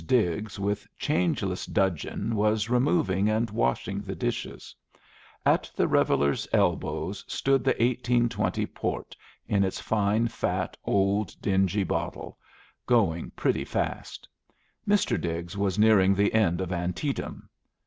Diggs with changeless dudgeon was removing and washing the dishes. At the revellers' elbows stood the 1820 port in its fine, fat, old, dingy bottle, going pretty fast. Mr. Diggs was nearing the end of Antietam.